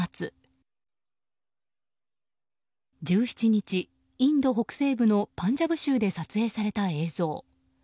１７日、インド北西部のパンジャブ州で撮影された映像。